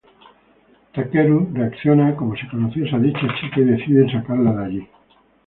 Takeru reacciona como si conociese a dicha chica y decide sacarla de allí.